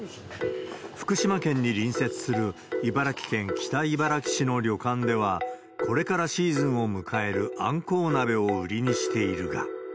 福島県に隣接する茨城県北茨城市の旅館では、これからシーズンを迎えるアンコウ鍋を売りにしているが。